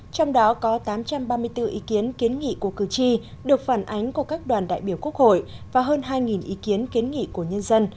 trong đó có tám trăm ba mươi bốn ý kiến kiến nghị của cử tri được phản ánh của các đoàn đại biểu quốc hội và hơn hai ý kiến kiến nghị của nhân dân